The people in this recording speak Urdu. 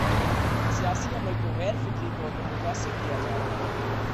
سیاسی عمل کو غیر فطری طور پر متاثر کیا جا رہا ہے۔